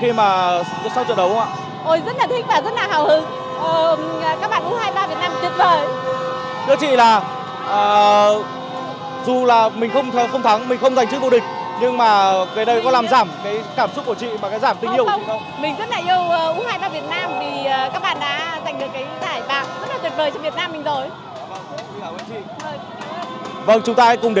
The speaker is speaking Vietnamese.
khi mà sau trận đấu không ạ